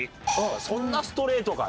そんなストレートかね？